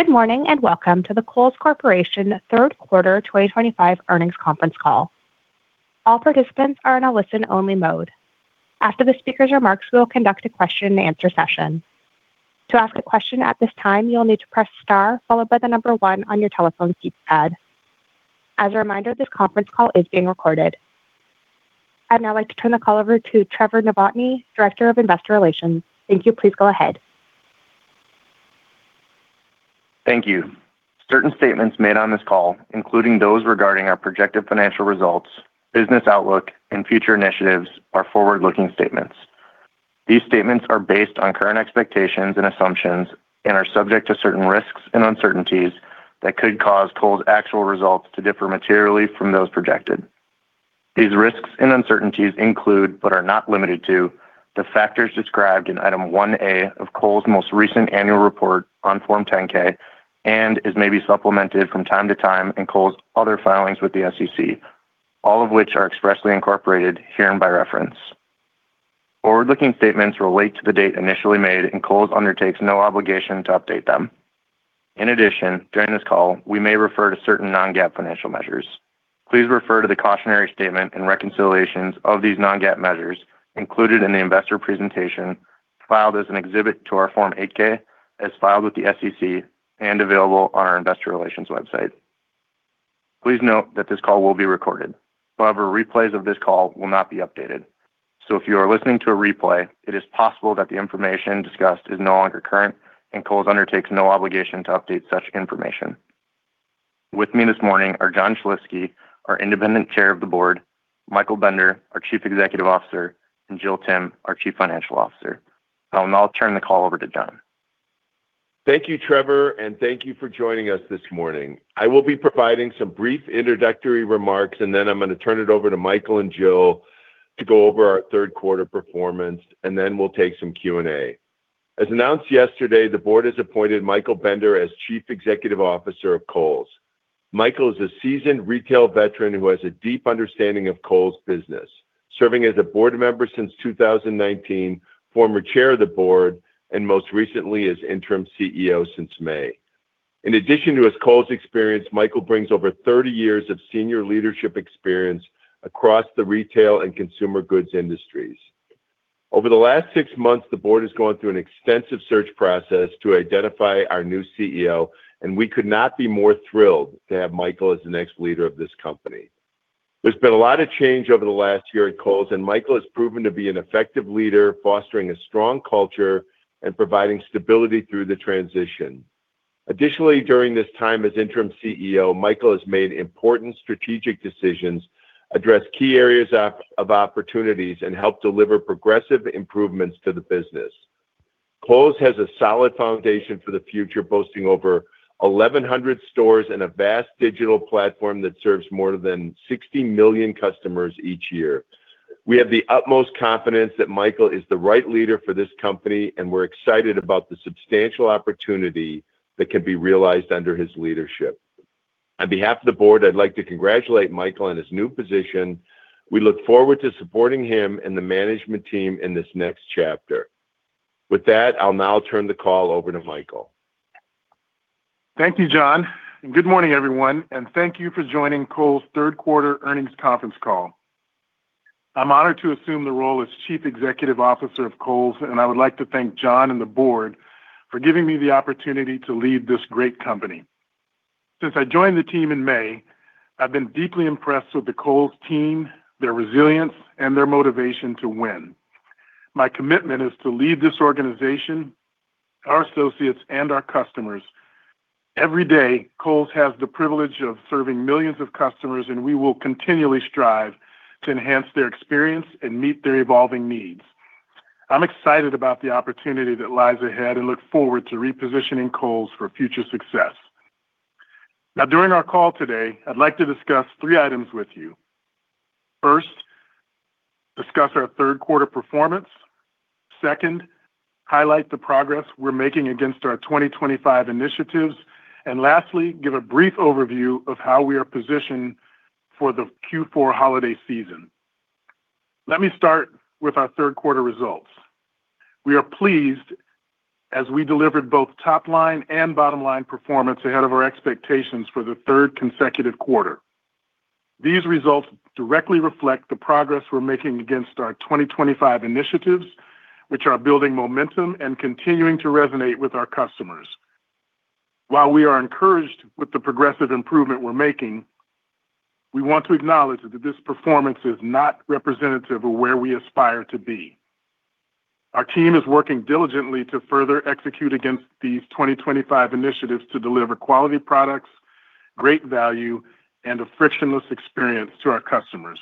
Good morning and welcome to the Kohl's Corporation third quarter 2025 earnings conference call. All participants are in a listen-only mode. After the speaker's remarks, we will conduct a question-and-answer session. To ask a question at this time, you'll need to press star followed by the number one on your telephone keypad. As a reminder, this conference call is being recorded. I'd now like to turn the call over to Trevor Novotny, Director of Investor Relations. Thank you. Please go ahead. Thank you. Certain statements made on this call, including those regarding our projected financial results, business outlook, and future initiatives, are forward-looking statements. These statements are based on current expectations and assumptions and are subject to certain risks and uncertainties that could cause Kohl's actual results to differ materially from those projected. These risks and uncertainties include, but are not limited to, the factors described in Item 1A of Kohl's most recent annual report on Form 10-K and as may be supplemented from time to time in Kohl's other filings with the SEC, all of which are expressly incorporated here and by reference. Forward-looking statements relate to the date initially made, and Kohl's undertakes no obligation to update them. We may refer to certain non-GAAP financial measures. Please refer to the cautionary statement and reconciliations of these non-GAAP measures included in the investor presentation filed as an exhibit to our Form 8-K, as filed with the SEC, and available on our investor relations website. Please note that this call will be recorded. However, replays of this call will not be updated. If you are listening to a replay, it is possible that the information discussed is no longer current, and Kohl's undertakes no obligation to update such information. With me this morning are John Schlifske, our Independent Chair of the Board, Michael Bender, our Chief Executive Officer, and Jill Timm, our Chief Financial Officer. I'll now turn the call over to John. Thank you, Trevor, and thank you for joining us this morning. I will be providing some brief introductory remarks, and then I'm going to turn it over to Michael and Jill to go over our third quarter performance, and then we'll take some Q&A. As announced yesterday, the board has appointed Michael Bender as Chief Executive Officer of Kohl's. Michael is a seasoned retail veteran who has a deep understanding of Kohl's business, serving as a board member since 2019, former Chair of the Board, and most recently as interim CEO since May. In addition to his Kohl's experience, Michael brings over 30 years of senior leadership experience across the retail and consumer goods industries. Over the last six months, the board has gone through an extensive search process to identify our new CEO, and we could not be more thrilled to have Michael as the next leader of this company. There's been a lot of change over the last year at Kohl's, and Michael has proven to be an effective leader, fostering a strong culture and providing stability through the transition. Additionally, during this time as interim CEO, Michael has made important strategic decisions, addressed key areas of opportunities, and helped deliver progressive improvements to the business. Kohl's has a solid foundation for the future, boasting over 1,100 stores and a vast digital platform that serves more than 60 million customers each year. We have the utmost confidence that Michael is the right leader for this company, and we're excited about the substantial opportunity that can be realized under his leadership. On behalf of the board, I'd like to congratulate Michael on his new position. We look forward to supporting him and the management team in this next chapter. With that, I'll now turn the call over to Michael. Thank you, John. Good morning, everyone, and thank you for joining Kohl's third quarter earnings conference call. I'm honored to assume the role as Chief Executive Officer of Kohl's, and I would like to thank John and the board for giving me the opportunity to lead this great company. Since I joined the team in May, I've been deeply impressed with the Kohl's team, their resilience, and their motivation to win. My commitment is to lead this organization, our associates, and our customers. Every day, Kohl's has the privilege of serving millions of customers, and we will continually strive to enhance their experience and meet their evolving needs. I'm excited about the opportunity that lies ahead and look forward to repositioning Kohl's for future success. Now, during our call today, I'd like to discuss three items with you. First, discuss our third quarter performance. Second, highlight the progress we're making against our 2025 initiatives. Lastly, give a brief overview of how we are positioned for the Q4 holiday season. Let me start with our third quarter results. We are pleased as we delivered both top-line and bottom-line performance ahead of our expectations for the third consecutive quarter. These results directly reflect the progress we're making against our 2025 initiatives, which are building momentum and continuing to resonate with our customers. While we are encouraged with the progressive improvement we're making, we want to acknowledge that this performance is not representative of where we aspire to be. Our team is working diligently to further execute against these 2025 initiatives to deliver quality products, great value, and a frictionless experience to our customers.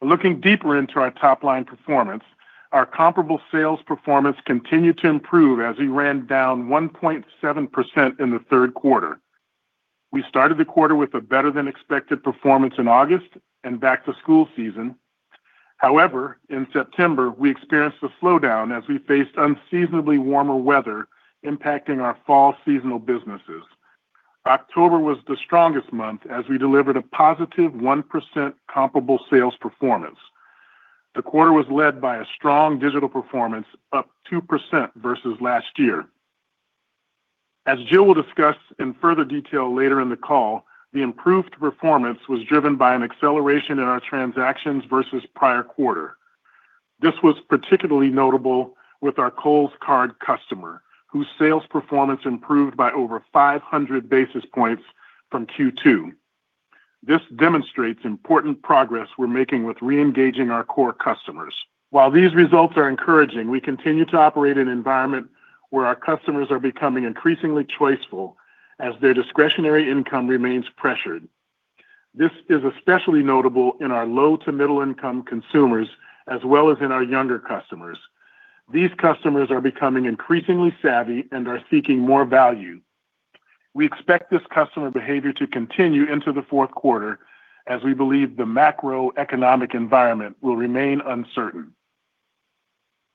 Looking deeper into our top-line performance, our comparable sales performance continued to improve as we ran down 1.7% in the third quarter. We started the quarter with a better-than-expected performance in August and back-to-school season. However, in September, we experienced a slowdown as we faced unseasonably warmer weather impacting our fall seasonal businesses. October was the strongest month as we delivered a positive 1% comparable sales performance. The quarter was led by a strong digital performance, up 2% versus last year. As Jill will discuss in further detail later in the call, the improved performance was driven by an acceleration in our transactions versus prior quarter. This was particularly notable with our Kohl's Card customer, whose sales performance improved by over 500 basis points from Q2. This demonstrates important progress we're making with re-engaging our core customers. While these results are encouraging, we continue to operate in an environment where our customers are becoming increasingly choiceful as their discretionary income remains pressured. This is especially notable in our low-to-middle-income consumers as well as in our younger customers. These customers are becoming increasingly savvy and are seeking more value. We expect this customer behavior to continue into the fourth quarter as we believe the macroeconomic environment will remain uncertain.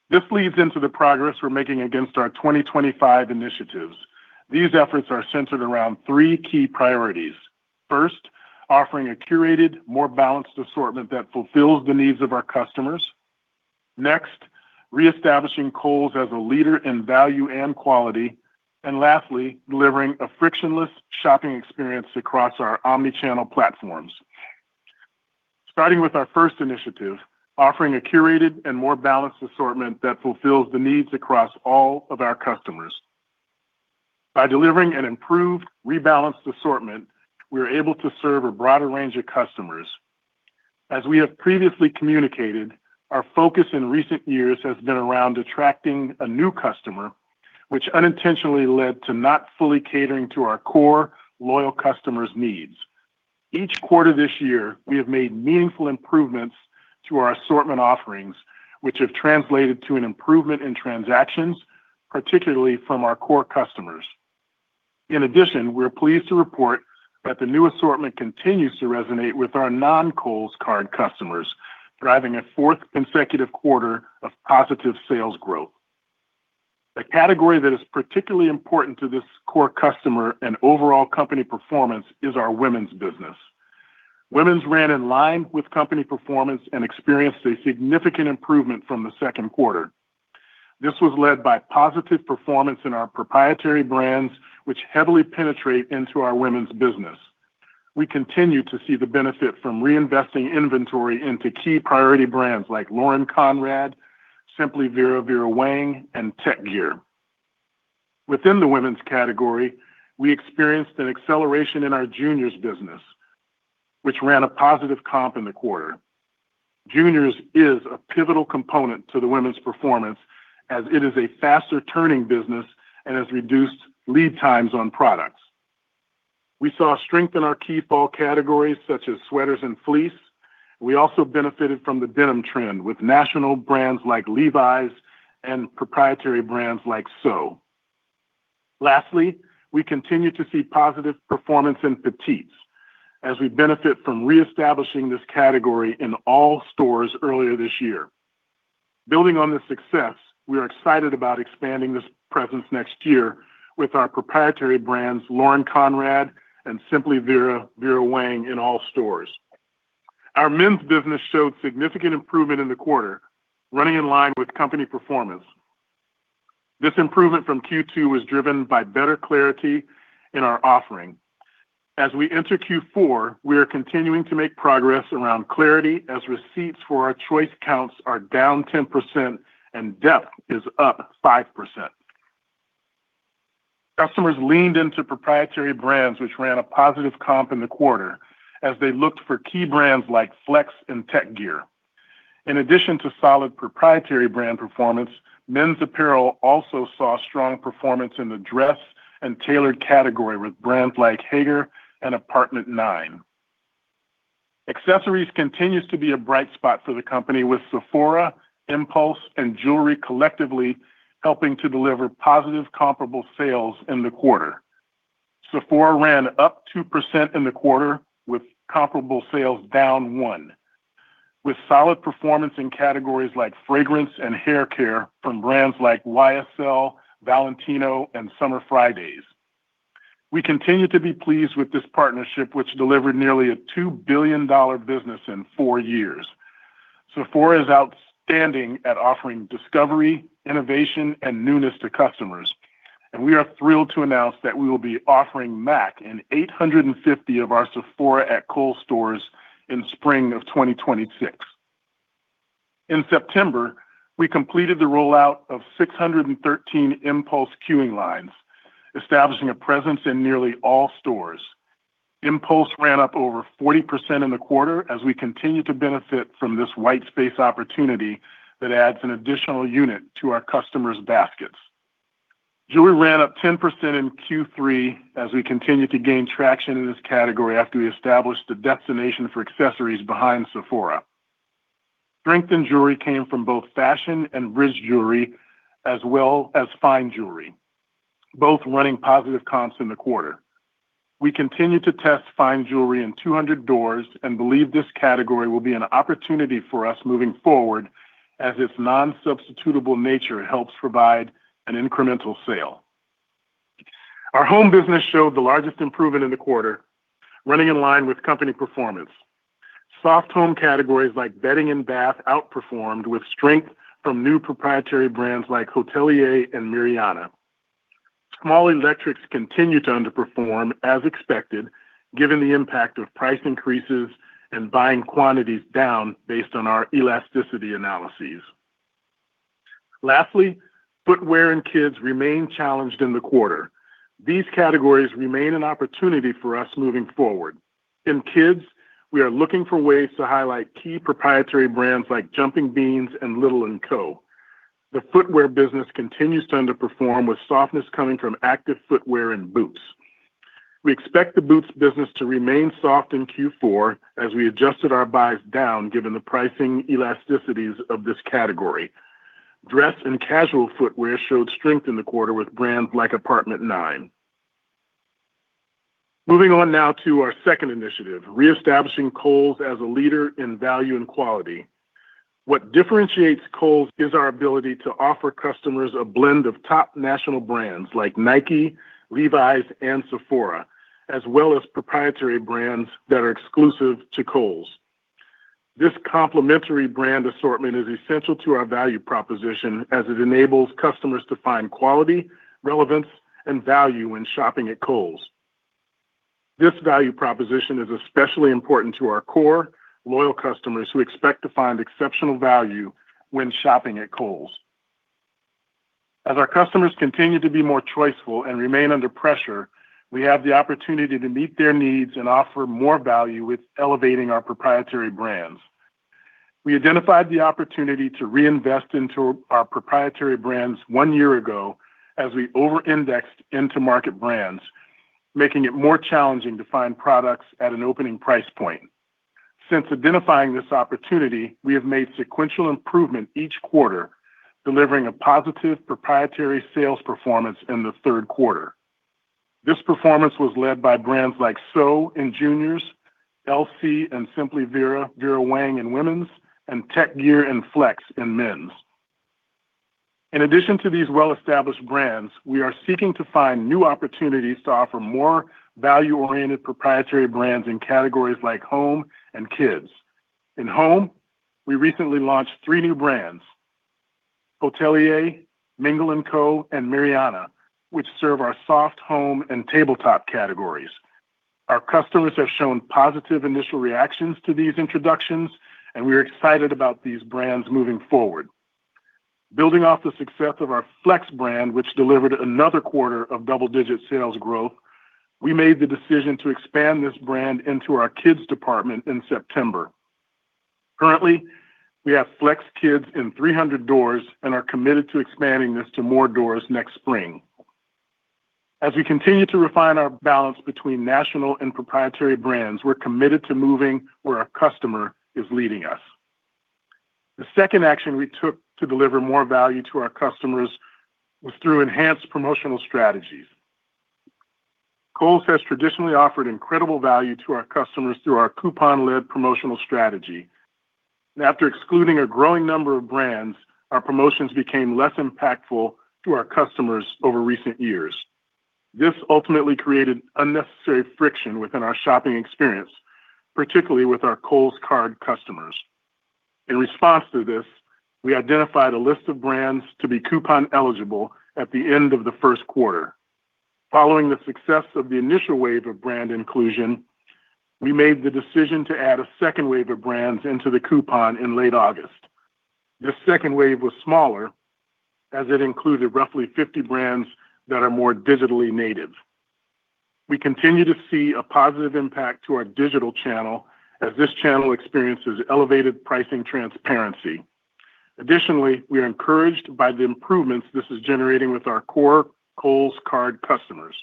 This leads into the progress we're making against our 2025 initiatives. These efforts are centered around three key priorities. First, offering a curated, more balanced assortment that fulfills the needs of our customers. Next, reestablishing Kohl's as a leader in value and quality. Lastly, delivering a frictionless shopping experience across our omnichannel platforms. Starting with our first initiative, offering a curated and more balanced assortment that fulfills the needs across all of our customers. By delivering an improved, rebalanced assortment, we are able to serve a broader range of customers. As we have previously communicated, our focus in recent years has been around attracting a new customer, which unintentionally led to not fully catering to our core loyal customers' needs. Each quarter this year, we have made meaningful improvements to our assortment offerings, which have translated to an improvement in transactions, particularly from our core customers. In addition, we're pleased to report that the new assortment continues to resonate with our non-Kohl's Card customers, driving a fourth consecutive quarter of positive sales growth. A category that is particularly important to this core customer and overall company performance is our women's business. Women's ran in line with company performance and experienced a significant improvement from the second quarter. This was led by positive performance in our proprietary brands, which heavily penetrate into our women's business. We continue to see the benefit from reinvesting inventory into key priority brands like Lauren Conrad, Simply Vera Vera Wang, and Tek Gear. Within the women's category, we experienced an acceleration in our juniors business, which ran a positive comp in the quarter. Juniors is a pivotal component to the women's performance as it is a faster-turning business and has reduced lead times on products. We saw strength in our key fall categories such as sweaters and fleece. We also benefited from the denim trend with national brands like Levi's and proprietary brands like SO. Lastly, we continue to see positive performance in petites as we benefit from reestablishing this category in all stores earlier this year. Building on this success, we are excited about expanding this presence next year with our proprietary brands Lauren Conrad and Simply Vera Vera Wang in all stores. Our men's business showed significant improvement in the quarter, running in line with company performance. This improvement from Q2 was driven by better clarity in our offering. As we enter Q4, we are continuing to make progress around clarity as receipts for our choice counts are down 10% and depth is up 5%. Customers leaned into proprietary brands, which ran a positive comp in the quarter as they looked for key brands like FLX and Tek Gear. In addition to solid proprietary brand performance, men's apparel also saw strong performance in the dress and tailored category with brands like Haggar and Apt. 9. Accessories continues to be a bright spot for the company, with Sephora, impulse, and jewelry collectively helping to deliver positive comparable sales in the quarter. Sephora ran up 2% in the quarter with comparable sales down 1%, with solid performance in categories like fragrance and hair care from brands like YSL, Valentino, and Summer Fridays. We continue to be pleased with this partnership, which delivered nearly a $2 billion business in four years. Sephora is outstanding at offering discovery, innovation, and newness to customers, and we are thrilled to announce that we will be offering MAC in 850 of our Sephora at Kohl's stores in spring of 2026. In September, we completed the rollout of 613 impulse queuing lines, establishing a presence in nearly all stores. Impulse ran up over 40% in the quarter as we continue to benefit from this white space opportunity that adds an additional unit to our customers' baskets. Jewelry ran up 10% in Q3 as we continue to gain traction in this category after we established the destination for accessories behind Sephora. Strength in jewelry came from both fashion and rich jewelry, as well as fine jewelry, both running positive comps in the quarter. We continue to test fine jewelry in 200 doors and believe this category will be an opportunity for us moving forward as its non-substitutable nature helps provide an incremental sale. Our home business showed the largest improvement in the quarter, running in line with company performance. Soft home categories like bedding and bath outperformed with strength from new proprietary brands like Hotelier and Miryana. Small electrics continue to underperform as expected, given the impact of price increases and buying quantities down based on our elasticity analyses. Lastly, footwear and kids remain challenged in the quarter. These categories remain an opportunity for us moving forward. In kids, we are looking for ways to highlight key proprietary brands like Jumping Beans and Little Co. The footwear business continues to underperform, with softness coming from active footwear and boots. We expect the boots business to remain soft in Q4 as we adjusted our buys down, given the pricing elasticities of this category. Dress and casual footwear showed strength in the quarter with brands like Apt. 9. Moving on now to our second initiative, reestablishing Kohl's as a leader in value and quality. What differentiates Kohl's is our ability to offer customers a blend of top national brands like Nike, Levi's, and Sephora, as well as proprietary brands that are exclusive to Kohl's. This complementary brand assortment is essential to our value proposition as it enables customers to find quality, relevance, and value when shopping at Kohl's. This value proposition is especially important to our core loyal customers who expect to find exceptional value when shopping at Kohl's. As our customers continue to be more choiceful and remain under pressure, we have the opportunity to meet their needs and offer more value with elevating our proprietary brands. We identified the opportunity to reinvest into our proprietary brands one year ago as we over-indexed into market brands, making it more challenging to find products at an opening price point. Since identifying this opportunity, we have made sequential improvement each quarter, delivering a positive proprietary sales performance in the third quarter. This performance was led by brands like SO in juniors, LC and Simply Vera Vera Wang in women's, and Tek Gear and FLX in men's. In addition to these well-established brands, we are seeking to find new opportunities to offer more value-oriented proprietary brands in categories like home and kids. In home, we recently launched three new brands: Hotelier, Mingle & Co., and Miryana, which serve our soft home and tabletop categories. Our customers have shown positive initial reactions to these introductions, and we are excited about these brands moving forward. Building off the success of our FLX brand, which delivered another quarter of double-digit sales growth, we made the decision to expand this brand into our kids' department in September. Currently, we have FLX kids in 300 doors and are committed to expanding this to more doors next spring. As we continue to refine our balance between national and proprietary brands, we're committed to moving where our customer is leading us. The second action we took to deliver more value to our customers was through enhanced promotional strategies. Kohl's has traditionally offered incredible value to our customers through our coupon-led promotional strategy. After excluding a growing number of brands, our promotions became less impactful to our customers over recent years. This ultimately created unnecessary friction within our shopping experience, particularly with our Kohl's Card customers. In response to this, we identified a list of brands to be coupon-eligible at the end of the first quarter. Following the success of the initial wave of brand inclusion, we made the decision to add a second wave of brands into the coupon in late August. This second wave was smaller as it included roughly 50 brands that are more digitally native. We continue to see a positive impact to our digital channel as this channel experiences elevated pricing transparency. Additionally, we are encouraged by the improvements this is generating with our core Kohl's Card customers.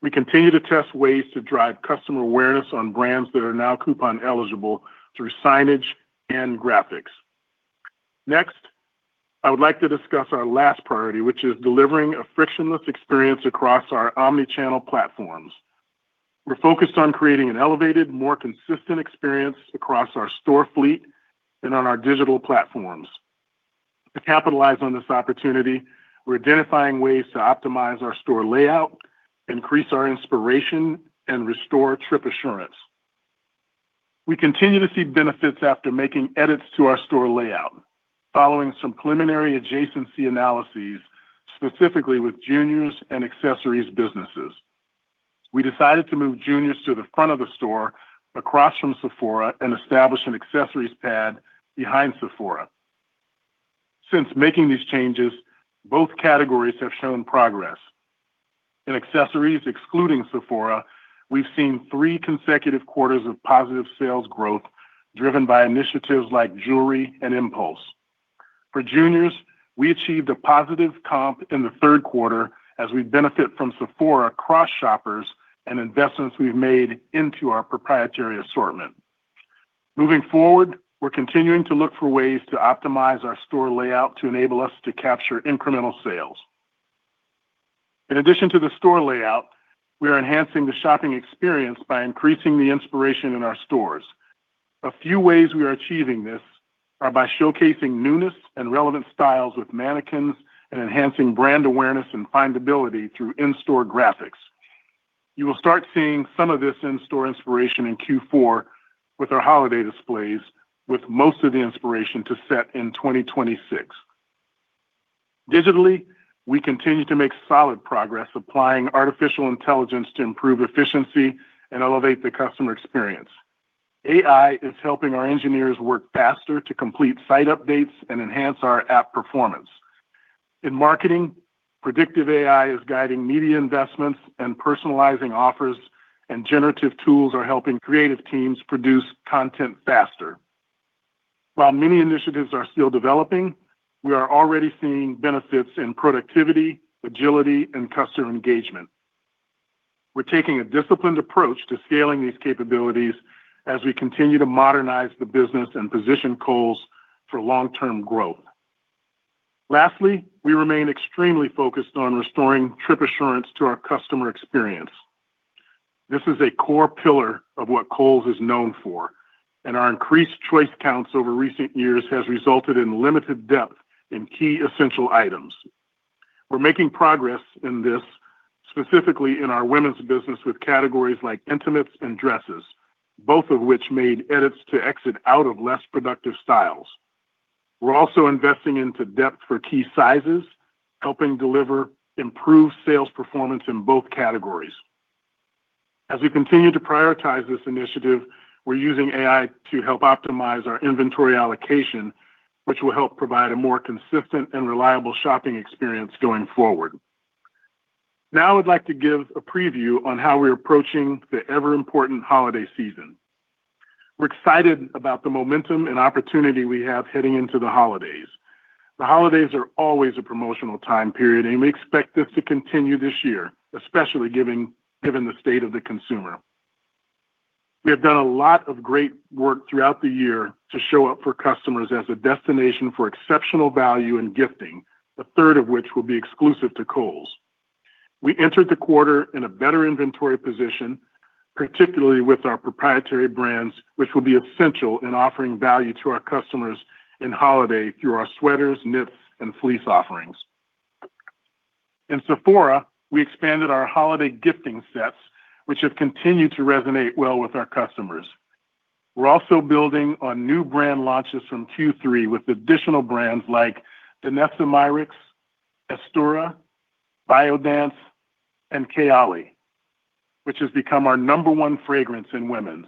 We continue to test ways to drive customer awareness on brands that are now coupon-eligible through signage and graphics. Next, I would like to discuss our last priority, which is delivering a frictionless experience across our omnichannel platforms. We're focused on creating an elevated, more consistent experience across our store fleet and on our digital platforms. To capitalize on this opportunity, we're identifying ways to optimize our store layout, increase our inspiration, and restore trip assurance. We continue to see benefits after making edits to our store layout, following some preliminary adjacency analyses, specifically with juniors and accessories businesses. We decided to move juniors to the front of the store across from Sephora and establish an accessories pad behind Sephora. Since making these changes, both categories have shown progress. In accessories, excluding Sephora, we've seen three consecutive quarters of positive sales growth driven by initiatives like jewelry and impulse. For juniors, we achieved a positive comp in the third quarter as we benefit from Sephora cross-shoppers and investments we've made into our proprietary assortment. Moving forward, we're continuing to look for ways to optimize our store layout to enable us to capture incremental sales. In addition to the store layout, we are enhancing the shopping experience by increasing the inspiration in our stores. A few ways we are achieving this are by showcasing newness and relevant styles with mannequins and enhancing brand awareness and findability through in-store graphics. You will start seeing some of this in-store inspiration in Q4 with our holiday displays, with most of the inspiration to set in 2026. Digitally, we continue to make solid progress applying artificial intelligence to improve efficiency and elevate the customer experience. AI is helping our engineers work faster to complete site updates and enhance our app performance. In marketing, predictive AI is guiding media investments and personalizing offers, and generative tools are helping creative teams produce content faster. While many initiatives are still developing, we are already seeing benefits in productivity, agility, and customer engagement. We're taking a disciplined approach to scaling these capabilities as we continue to modernize the business and position Kohl's for long-term growth. Lastly, we remain extremely focused on restoring trip assurance to our customer experience. This is a core pillar of what Kohl's is known for, and our increased choice counts over recent years has resulted in limited depth in key essential items. We're making progress in this, specifically in our women's business with categories like intimates and dresses, both of which made edits to exit out of less productive styles. We're also investing into depth for key sizes, helping deliver improved sales performance in both categories. As we continue to prioritize this initiative, we're using AI to help optimize our inventory allocation, which will help provide a more consistent and reliable shopping experience going forward. Now, I would like to give a preview on how we're approaching the ever-important holiday season. We're excited about the momentum and opportunity we have heading into the holidays. The holidays are always a promotional time period, and we expect this to continue this year, especially given the state of the consumer. We have done a lot of great work throughout the year to show up for customers as a destination for exceptional value and gifting, a third of which will be exclusive to Kohl's. We entered the quarter in a better inventory position, particularly with our proprietary brands, which will be essential in offering value to our customers in holiday through our sweaters, knits, and fleece offerings. In Sephora, we expanded our holiday gifting sets, which have continued to resonate well with our customers. We're also building on new brand launches from Q3 with additional brands like Danessa Myricks, AESTURA, Biodance, and KAYALI, which has become our number one fragrance in women's.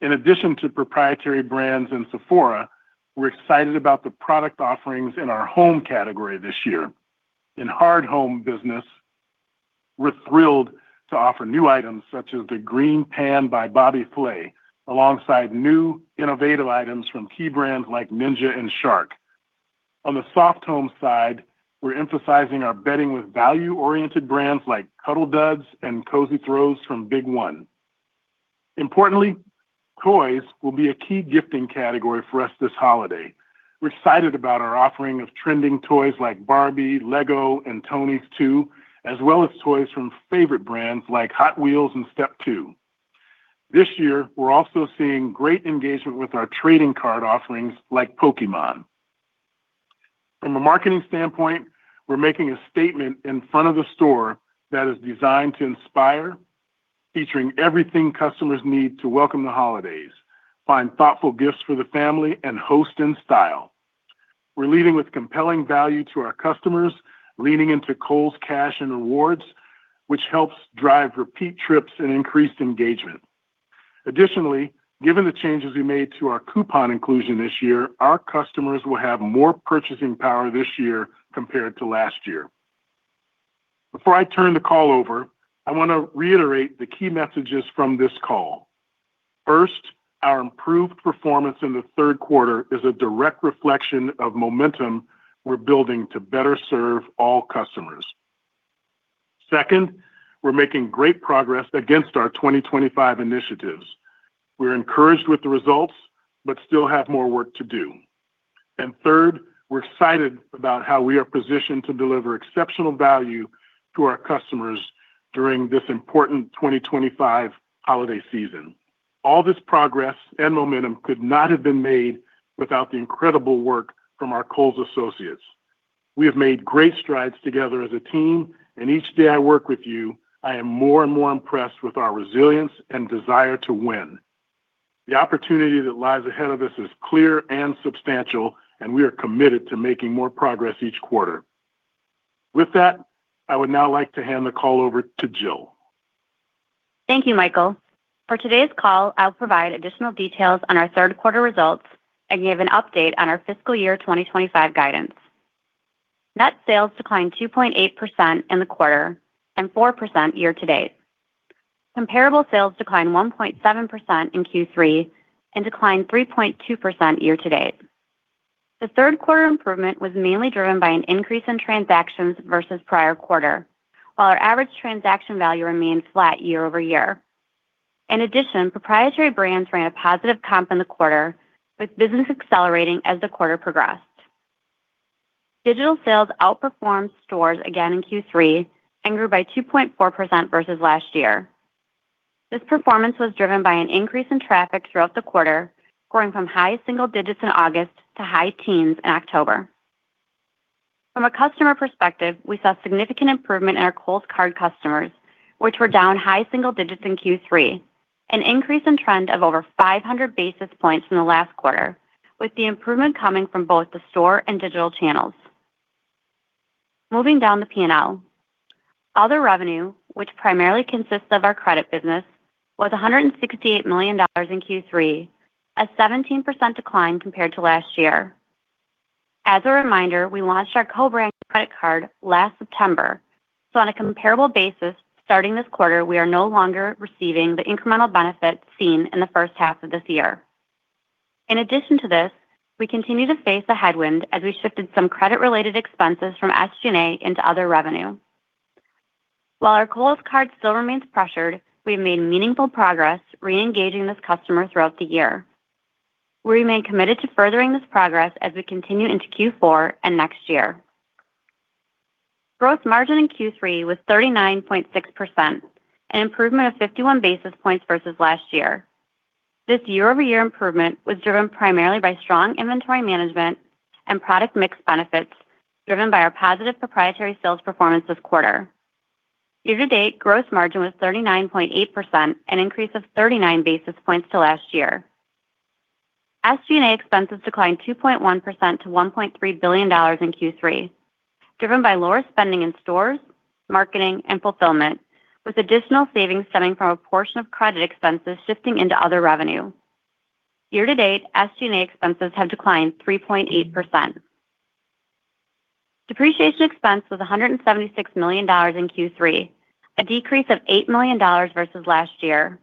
In addition to proprietary brands in Sephora, we're excited about the product offerings in our home category this year. In hard home business, we're thrilled to offer new items such as the GreenPan by Bobby Flay, alongside new innovative items from key brands like Ninja and Shark. On the soft home side, we're emphasizing our bedding with value-oriented brands like Cuddl Duds and Cozy Throws from Big One. Importantly, toys will be a key gifting category for us this holiday. We're excited about our offering of trending toys like Barbie, LEGO, and Tonies, too, as well as toys from favorite brands like Hot Wheels and Step2. This year, we're also seeing great engagement with our trading card offerings like Pokémon. From a marketing standpoint, we're making a statement in front of the store that is designed to inspire, featuring everything customers need to welcome the holidays, find thoughtful gifts for the family, and host in style. We're leading with compelling value to our customers, leaning into Kohl's Cash and rewards, which helps drive repeat trips and increased engagement. Additionally, given the changes we made to our coupon inclusion this year, our customers will have more purchasing power this year compared to last year. Before I turn the call over, I want to reiterate the key messages from this call. First, our improved performance in the third quarter is a direct reflection of momentum we're building to better serve all customers. Second, we're making great progress against our 2025 initiatives. We're encouraged with the results, but still have more work to do. Third, we're excited about how we are positioned to deliver exceptional value to our customers during this important 2025 holiday season. All this progress and momentum could not have been made without the incredible work from our Kohl's associates. We have made great strides together as a team, and each day I work with you, I am more and more impressed with our resilience and desire to win. The opportunity that lies ahead of us is clear and substantial, and we are committed to making more progress each quarter. With that, I would now like to hand the call over to Jill. Thank you, Michael. For today's call, I'll provide additional details on our third quarter results and give an update on our fiscal year 2025 guidance. Net sales declined 2.8% in the quarter and 4% year-to-date. Comparable sales declined 1.7% in Q3 and declined 3.2% year-to-date. The third quarter improvement was mainly driven by an increase in transactions versus prior quarter, while our average transaction value remained flat year-over-year. In addition, proprietary brands ran a positive comp in the quarter, with business accelerating as the quarter progressed. Digital sales outperformed stores again in Q3 and grew by 2.4% versus last year. This performance was driven by an increase in traffic throughout the quarter, going from high single digits in August to high teens in October. From a customer perspective, we saw significant improvement in our Kohl's Card customers, which were down high single digits in Q3, an increase in trend of over 500 basis points in the last quarter, with the improvement coming from both the store and digital channels. Moving down the P&L, other revenue, which primarily consists of our credit business, was $168 million in Q3, a 17% decline compared to last year. As a reminder, we launched our co-brand credit card last September, so on a comparable basis, starting this quarter, we are no longer receiving the incremental benefit seen in the first half of this year. In addition to this, we continue to face a headwind as we shifted some credit-related expenses from SG&A into other revenue. While our Kohl's Card still remains pressured, we have made meaningful progress re-engaging this customer throughout the year. We remain committed to furthering this progress as we continue into Q4 and next year. Gross margin in Q3 was 39.6%, an improvement of 51 basis points versus last year. This year-over-year improvement was driven primarily by strong inventory management and product mix benefits driven by our positive proprietary sales performance this quarter. Year-to-date, gross margin was 39.8%, an increase of 39 basis points to last year. SG&A expenses declined 2.1% to $1.3 billion in Q3, driven by lower spending in stores, marketing, and fulfillment, with additional savings stemming from a portion of credit expenses shifting into other revenue. Year-to-date, SG&A expenses have declined 3.8%. Depreciation expense was $176 million in Q3, a decrease of $8 million versus last year.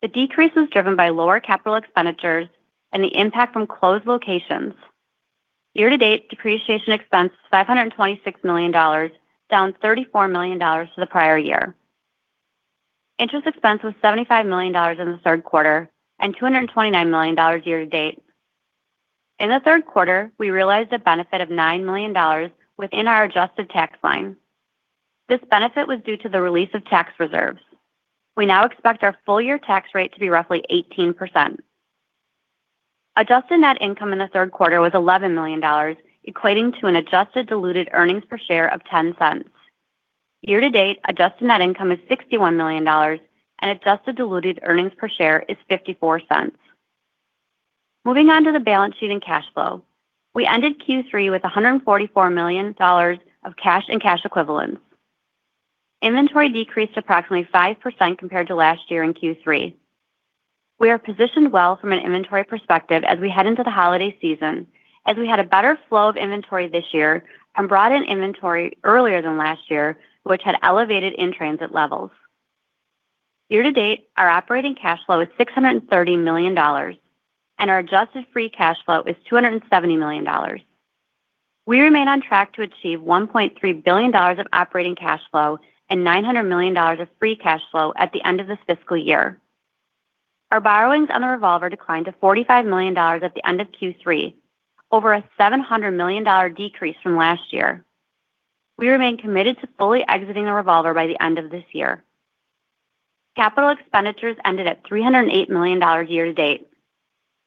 The decrease was driven by lower capital expenditures and the impact from closed locations. Year-to-date, depreciation expense was $526 million, down $34 million to the prior year. Interest expense was $75 million in the third quarter and $229 million year-to-date. In the third quarter, we realized a benefit of $9 million within our adjusted tax line. This benefit was due to the release of tax reserves. We now expect our full-year tax rate to be roughly 18%. Adjusted net income in the third quarter was $11 million, equating to an adjusted diluted earnings per share of $0.10. Year-to-date, adjusted net income is $61 million, and adjusted diluted earnings per share is $0.54. Moving on to the balance sheet and cash flow. We ended Q3 with $144 million of cash and cash equivalents. Inventory decreased approximately 5% compared to last year in Q3. We are positioned well from an inventory perspective as we head into the holiday season, as we had a better flow of inventory this year and brought in inventory earlier than last year, which had elevated in-transit levels. Year-to-date, our operating cash flow is $630 million, and our adjusted free cash flow is $270 million. We remain on track to achieve $1.3 billion of operating cash flow and $900 million of free cash flow at the end of this fiscal year. Our borrowings on the revolver declined to $45 million at the end of Q3, over a $700 million decrease from last year. We remain committed to fully exiting the revolver by the end of this year. Capital expenditures ended at $308 million year-to-date.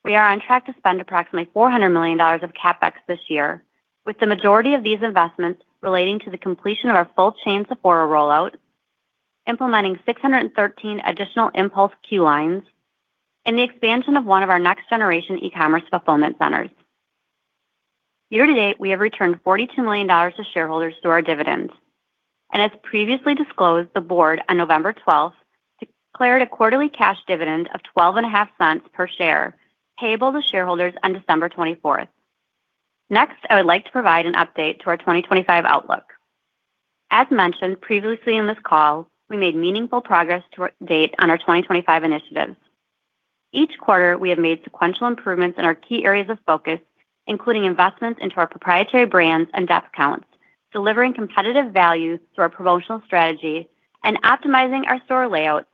We are on track to spend approximately $400 million of CapEx this year, with the majority of these investments relating to the completion of our full chain Sephora rollout, implementing 613 additional impulse queue lines, and the expansion of one of our next-generation e-commerce fulfillment centers. Year-to-date, we have returned $42 million to shareholders through our dividends. As previously disclosed, the board on November 12th declared a quarterly cash dividend of $12.50 per share, payable to shareholders on December 24th. Next, I would like to provide an update to our 2025 outlook. As mentioned previously in this call, we made meaningful progress to date on our 2025 initiatives. Each quarter, we have made sequential improvements in our key areas of focus, including investments into our proprietary brands and depth counts, delivering competitive value through our promotional strategy and optimizing our store layouts,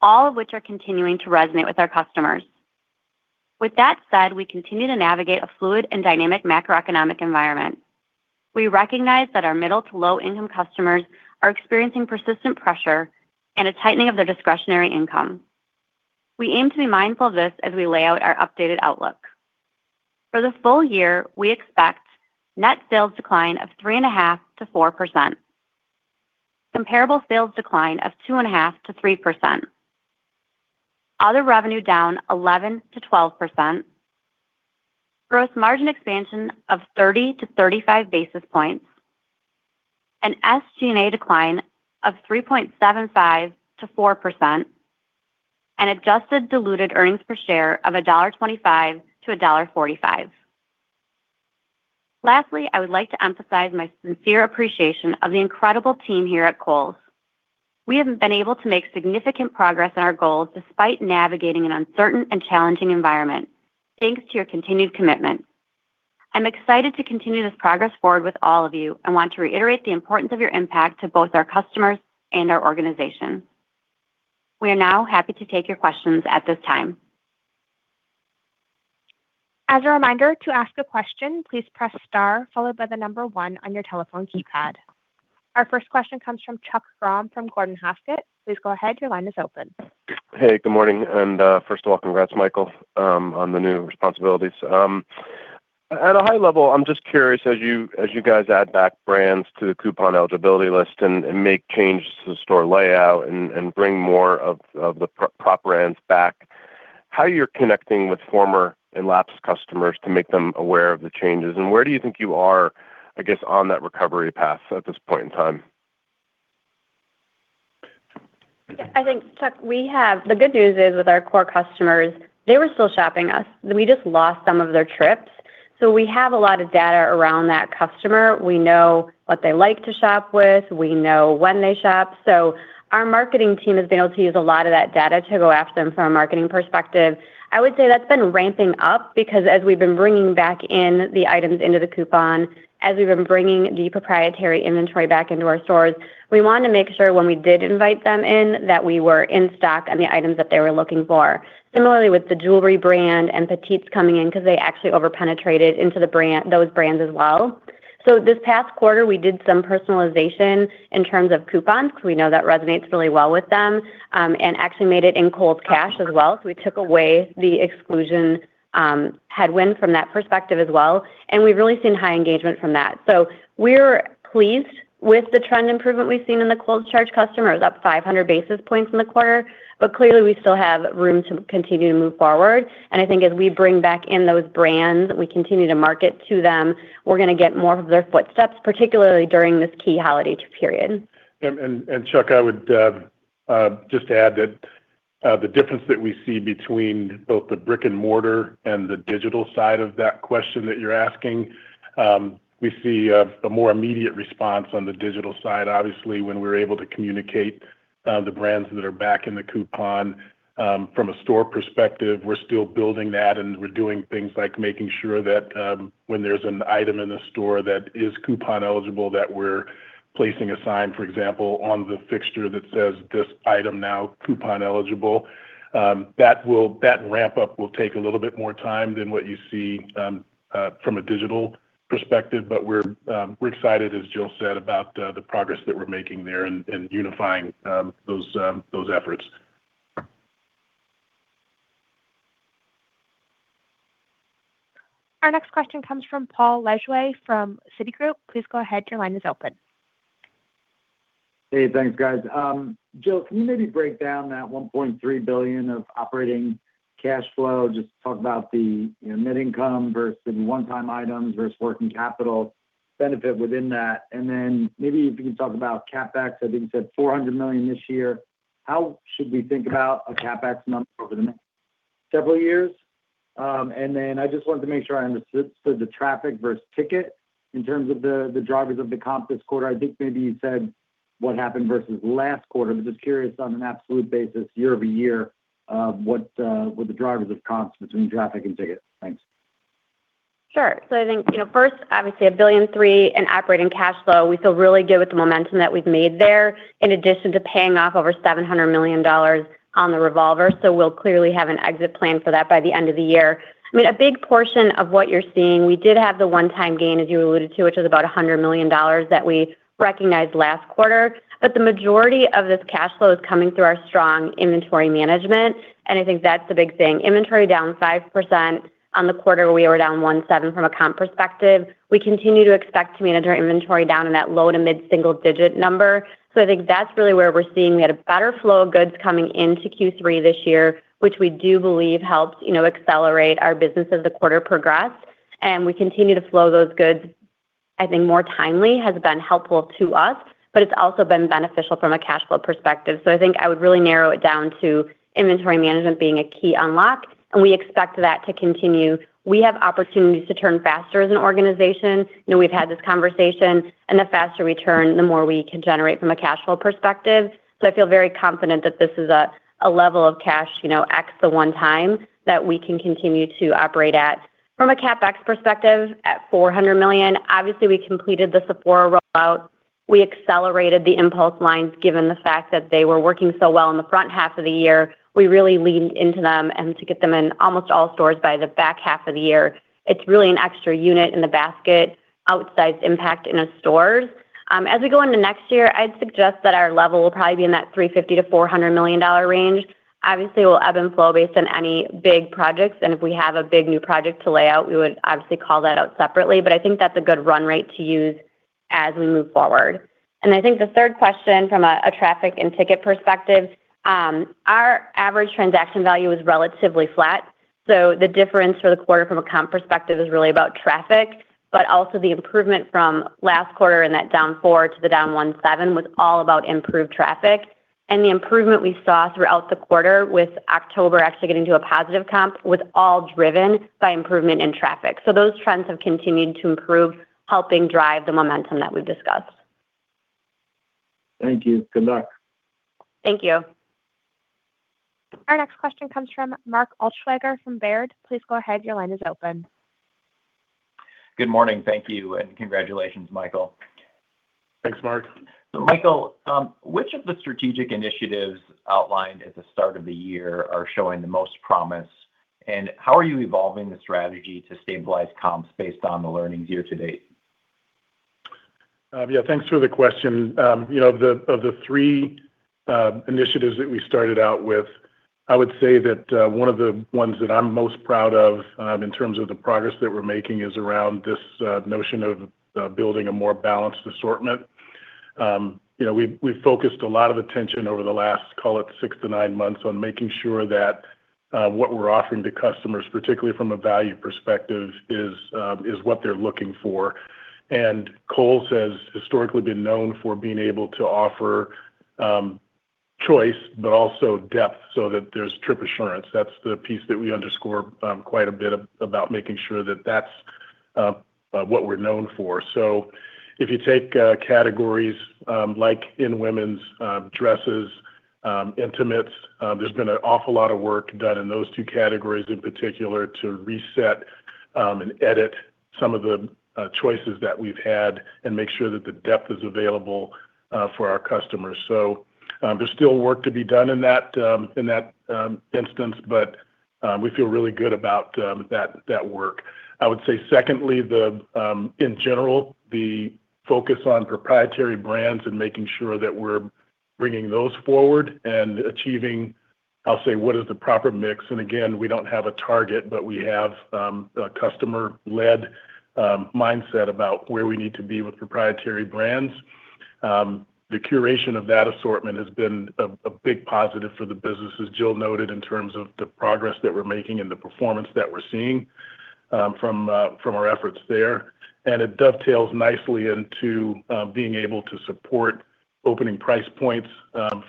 all of which are continuing to resonate with our customers. With that said, we continue to navigate a fluid and dynamic macroeconomic environment. We recognize that our middle- to low-income customers are experiencing persistent pressure and a tightening of their discretionary income. We aim to be mindful of this as we lay out our updated outlook. For the full year, we expect net sales decline of 3.5%-4%, comparable sales decline of 2.5%-3%, other revenue down 11%-12%, gross margin expansion of 30 basis points-35 basis points, an SG&A decline of 3.75%-4%, and adjusted diluted earnings per share of $1.25-$1.45. Lastly, I would like to emphasize my sincere appreciation of the incredible team here at Kohl's. We have been able to make significant progress in our goals despite navigating an uncertain and challenging environment, thanks to your continued commitment. I'm excited to continue this progress forward with all of you and want to reiterate the importance of your impact to both our customers and our organization. We are now happy to take your questions at this time. As a reminder, to ask a question, please press star followed by the number one on your telephone keypad. Our first question comes from Chuck Grom from Gordon Haskett. Please go ahead. Your line is open. Hey, good morning. And first of all, congrats, Michael, on the new responsibilities. At a high level, I'm just curious, as you guys add back brands to the coupon eligibility list and make changes to the store layout and bring more of the prop brands back, how you're connecting with former and lapsed customers to make them aware of the changes? Where do you think you are, I guess, on that recovery path at this point in time? I think, Chuck, the good news is with our core customers, they were still shopping us. We just lost some of their trips. We have a lot of data around that customer. We know what they like to shop with. We know when they shop. Our marketing team has been able to use a lot of that data to go after them from a marketing perspective. I would say that's been ramping up because as we've been bringing back in the items into the coupon, as we've been bringing the proprietary inventory back into our stores, we wanted to make sure when we did invite them in that we were in stock on the items that they were looking for. Similarly, with the jewelry brand and petites coming in because they actually over-penetrated into those brands as well. This past quarter, we did some personalization in terms of coupons because we know that resonates really well with them and actually made it in Kohl's Cash as well. We took away the exclusion headwind from that perspective as well. We've really seen high engagement from that. We're pleased with the trend improvement we've seen in the Kohl's charge customers. Up 500 basis points in the quarter. Clearly, we still have room to continue to move forward. I think as we bring back in those brands, we continue to market to them, we're going to get more of their footsteps, particularly during this key holiday period. Chuck, I would just add that the difference that we see between both the brick and mortar and the digital side of that question that you're asking, we see a more immediate response on the digital side. Obviously, when we're able to communicate the brands that are back in the coupon from a store perspective, we're still building that. We're doing things like making sure that when there's an item in the store that is coupon eligible, that we're placing a sign, for example, on the fixture that says, "This item now coupon eligible." That ramp-up will take a little bit more time than what you see from a digital perspective. We're excited, as Jill said, about the progress that we're making there and unifying those efforts. Our next question comes from Paul Lejuez from Citigroup. Please go ahead. Your line is open. Hey, thanks, guys. Jill, can you maybe break down that $1.3 billion of operating cash flow, just talk about the net income versus the one-time items versus working capital benefit within that? And then maybe if you can talk about CapEx. I think you said $400 million this year. How should we think about a CapEx number over the next several years? I just wanted to make sure I understood the traffic versus ticket in terms of the drivers of the comp this quarter. I think maybe you said what happened versus last quarter, but just curious on an absolute basis, year-over-year, what were the drivers of comps between traffic and ticket? Thanks. Sure. I think first, obviously, a billion three in operating cash flow. We feel really good with the momentum that we've made there in addition to paying off over $700 million on the revolver. We will clearly have an exit plan for that by the end of the year. I mean, a big portion of what you're seeing, we did have the one-time gain, as you alluded to, which was about $100 million that we recognized last quarter. The majority of this cash flow is coming through our strong inventory management. I think that's the big thing. Inventory down 5% on the quarter where we were down 1.7% from a comp perspective. We continue to expect to manage our inventory down in that low- to mid-single-digit number. I think that's really where we're seeing we had a better flow of goods coming into Q3 this year, which we do believe helped accelerate our business as the quarter progressed. We continue to flow those goods, I think more timely has been helpful to us, but it's also been beneficial from a cash flow perspective. I think I would really narrow it down to inventory management being a key unlock. We expect that to continue. We have opportunities to turn faster as an organization. We've had this conversation. The faster we turn, the more we can generate from a cash flow perspective. I feel very confident that this is a level of cash x the one time that we can continue to operate at. From a CapEx perspective, at $400 million, obviously, we completed the Sephora rollout. We accelerated the impulse lines given the fact that they were working so well in the front half of the year. We really leaned into them and to get them in almost all stores by the back half of the year. It is really an extra unit in the basket outsized impact in the stores. As we go into next year, I'd suggest that our level will probably be in that $350-$400 million range. Obviously, we'll ebb and flow based on any big projects. If we have a big new project to lay out, we would obviously call that out separately. I think that's a good run rate to use as we move forward. I think the third question from a traffic and ticket perspective, our average transaction value is relatively flat. The difference for the quarter from a comp perspective is really about traffic, but also the improvement from last quarter in that down four to the down one seven was all about improved traffic. The improvement we saw throughout the quarter with October actually getting to a positive comp was all driven by improvement in traffic. Those trends have continued to improve, helping drive the momentum that we've discussed. Thank you. Good luck. Thank you. Our next question comes from Mark Altschwager from Baird. Please go ahead. Your line is open. Good morning. Thank you. Congratulations, Michael. Thanks, Mark. Michael, which of the strategic initiatives outlined at the start of the year are showing the most promise? How are you evolving the strategy to stabilize comps based on the learnings year-to-date? Yeah, thanks for the question. Of the three initiatives that we started out with, I would say that one of the ones that I'm most proud of in terms of the progress that we're making is around this notion of building a more balanced assortment. We've focused a lot of attention over the last, call it six to nine months, on making sure that what we're offering to customers, particularly from a value perspective, is what they're looking for. Kohl's has historically been known for being able to offer choice, but also depth so that there's trip assurance. That's the piece that we underscore quite a bit about making sure that that's what we're known for. If you take categories like in women's dresses, intimates, there's been an awful lot of work done in those two categories in particular to reset and edit some of the choices that we've had and make sure that the depth is available for our customers. There's still work to be done in that instance, but we feel really good about that work. I would say, secondly, in general, the focus on proprietary brands and making sure that we're bringing those forward and achieving, I'll say, what is the proper mix. Again, we don't have a target, but we have a customer-led mindset about where we need to be with proprietary brands. The curation of that assortment has been a big positive for the business, as Jill noted, in terms of the progress that we're making and the performance that we're seeing from our efforts there. It dovetails nicely into being able to support opening price points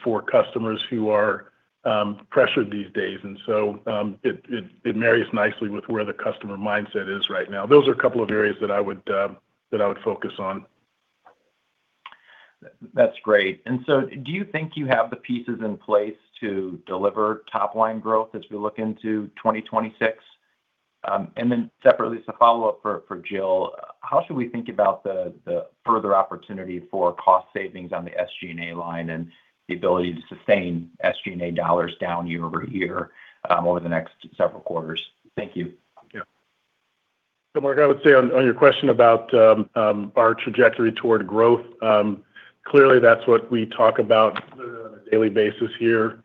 for customers who are pressured these days. It marries nicely with where the customer mindset is right now. Those are a couple of areas that I would focus on. That's great. Do you think you have the pieces in place to deliver top-line growth as we look into 2026? Separately, as a follow-up for Jill, how should we think about the further opportunity for cost savings on the SG&A line and the ability to sustain SG&A dollars down year-over-year over the next several quarters? Thank you. Yeah. Mark, I would say on your question about our trajectory toward growth, clearly, that's what we talk about on a daily basis here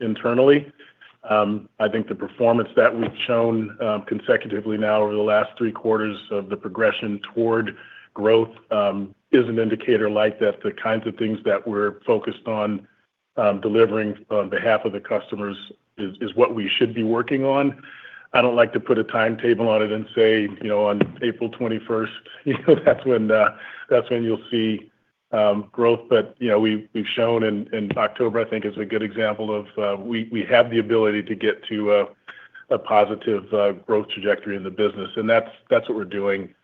internally. I think the performance that we've shown consecutively now over the last three quarters of the progression toward growth is an indicator that the kinds of things that we're focused on delivering on behalf of the customers is what we should be working on. I don't like to put a timetable on it and say on April 21st, that's when you'll see growth. We've shown in October, I think, is a good example of we have the ability to get to a positive growth trajectory in the business. That's what we're doing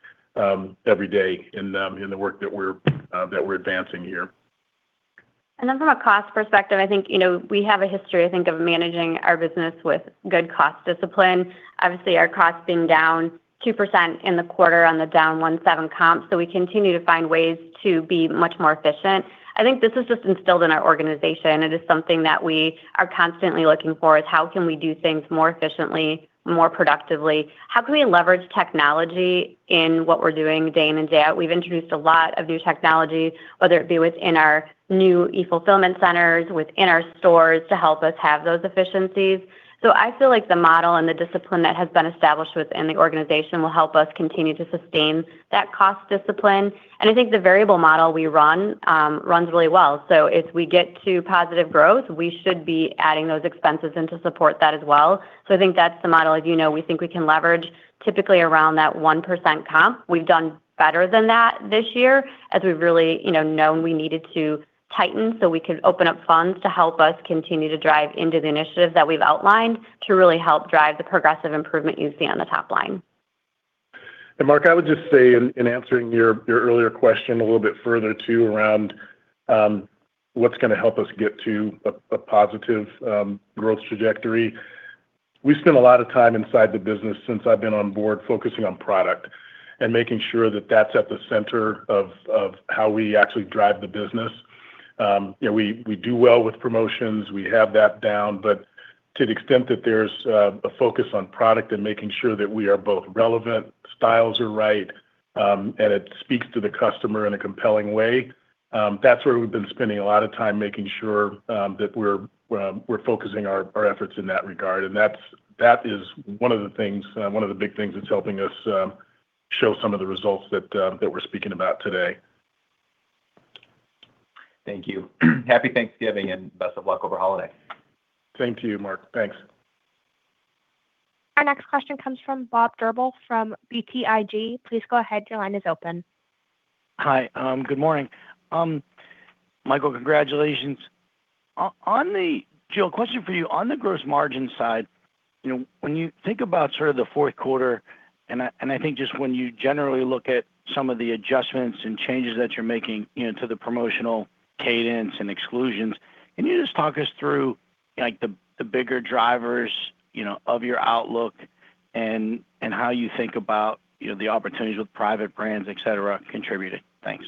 every day in the work that we're advancing here. From a cost perspective, I think we have a history, I think, of managing our business with good cost discipline. Obviously, our costs being down 2% in the quarter on the down 17% comp. We continue to find ways to be much more efficient. I think this is just instilled in our organization. It is something that we are constantly looking for is how can we do things more efficiently, more productively? How can we leverage technology in what we're doing day in and day out? We've introduced a lot of new technology, whether it be within our new e-fulfillment centers, within our stores to help us have those efficiencies. I feel like the model and the discipline that has been established within the organization will help us continue to sustain that cost discipline. I think the variable model we run runs really well. If we get to positive growth, we should be adding those expenses in to support that as well. I think that's the model. As you know, we think we can leverage typically around that 1% comp. We have done better than that this year as we have really known we needed to tighten so we could open up funds to help us continue to drive into the initiatives that we have outlined to really help drive the progressive improvement you see on the top line. Mark, I would just say, in answering your earlier question a little bit further too around what is going to help us get to a positive growth trajectory, we spend a lot of time inside the business since I have been on board focusing on product and making sure that is at the center of how we actually drive the business. We do well with promotions. We have that down. To the extent that there's a focus on product and making sure that we are both relevant, styles are right, and it speaks to the customer in a compelling way, that's where we've been spending a lot of time making sure that we're focusing our efforts in that regard. That is one of the things, one of the big things that's helping us show some of the results that we're speaking about today. Thank you. Happy Thanksgiving and best of luck over holidays. Thank you, Mark. Thanks. Our next question comes from Bob Drbul from BTIG. Please go ahead. Your line is open. Hi. Good morning. Michael, congratulations. Jill, question for you. On the gross margin side, when you think about sort of the fourth quarter, and I think just when you generally look at some of the adjustments and changes that you're making to the promotional cadence and exclusions, can you just talk us through the bigger drivers of your outlook and how you think about the opportunities with private brands, etc., contributed? Thanks.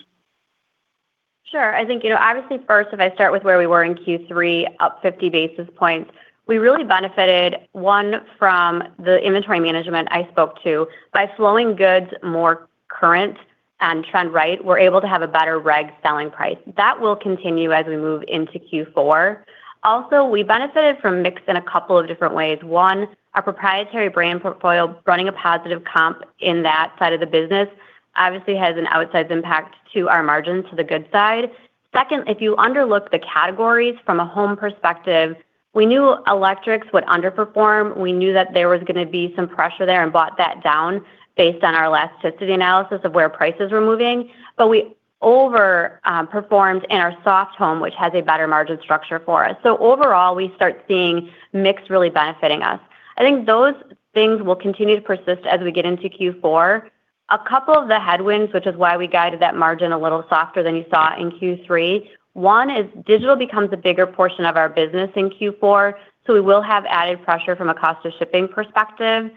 Sure. I think obviously, first, if I start with where we were in Q3, up 50 basis points, we really benefited, one, from the inventory management I spoke to. By flowing goods more current and trend right, we're able to have a better reg selling price. That will continue as we move into Q4. Also, we benefited from mix in a couple of different ways. One, our proprietary brand portfolio running a positive comp in that side of the business obviously has an outsized impact to our margins to the good side. Second, if you underlook the categories from a home perspective, we knew electrics would underperform. We knew that there was going to be some pressure there and brought that down based on our elasticity analysis of where prices were moving. We overperformed in our soft home, which has a better margin structure for us. Overall, we start seeing mix really benefiting us. I think those things will continue to persist as we get into Q4. A couple of the headwinds, which is why we guided that margin a little softer than you saw in Q3, one is digital becomes a bigger portion of our business in Q4. We will have added pressure from a cost of shipping perspective.